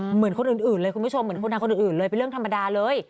เหมือนคนอื่นเลยคุณผู้ชมเหมือนคนทางคนอื่นเลยเป็นเรื่องธรรมดาเลย